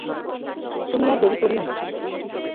তুমি আর দেরি করিয়ো না।